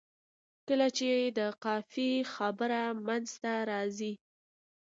کله چې د قافیې خبره منځته راځي.